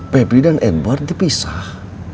febri dan edward dipisah